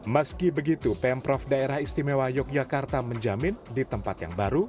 masih begitu pemprov diy yogyakarta menjamin di tempat yang baru